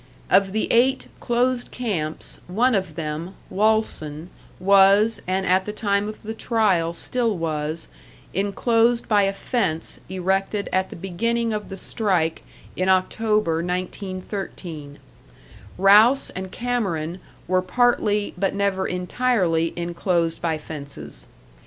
Of the eight 'closed camps' one of them, 'Walsen,' was, and at the time of the trial still was, enclosed by a fence erected at the beginning of the strike in October, 1913: Rouse and Cameron were partly, but never entirely, enclosed by fences.